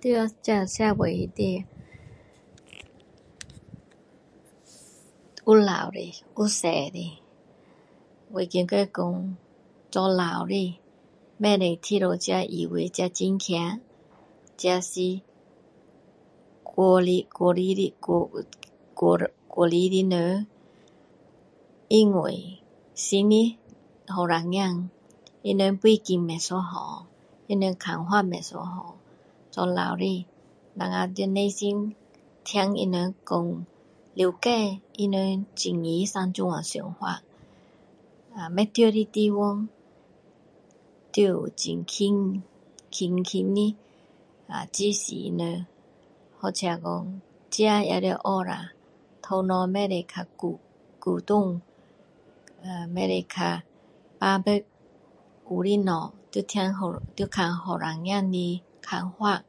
在这社会里面。有老的，有小的。我觉得说，做老的不能一直以为自己很棒。这是过来过来 [unintelligible] 过来的人，因为新的年轻人，他们的背景不一样，他们的看法不一样。做老的，咱们要耐心听他们讲，了解他们怎么这样的想法？不对的地方，要有很轻，轻轻的接受他们。或者说，自己也要学一下。头脑不可以太古古董。[ahh] 不可很固执，有的物，要听要看年轻人的看法。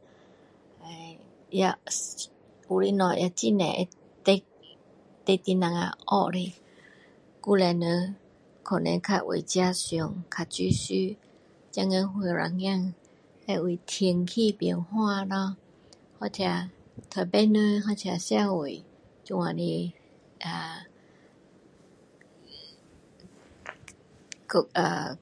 [unintelligible] 有的物很多也值得值得我们学的。以前人可能更为自己想，较自私。现在年轻人，会为天气变化咯，或者对别人，或者社会 这样的 ahh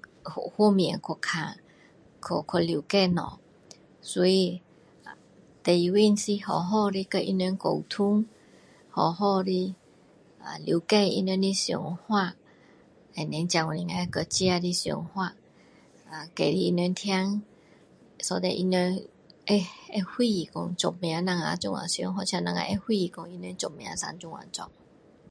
[unintelligible] 方面去看，去了解物，所以最重要的是好好的跟他们沟通。好好的了解他们的想法，and then才能够有自己的想法。跟他们听。so that 他们能能会意说为什么我们这样想或者我们能会意他们为什么这样做。